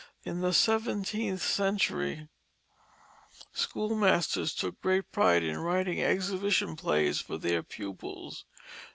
In the seventeenth century schoolmasters took great pride in writing exhibition plays for their pupils.